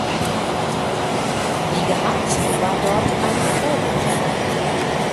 Wie gehabt war dort ein Forum zu finden.